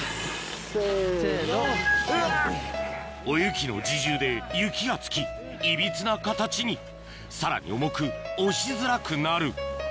おゆきの自重で雪が付きいびつな形にさらに重く押しづらくなる